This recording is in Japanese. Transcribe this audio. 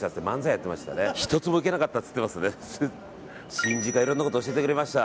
新宿はいろんなことを教えてくれました。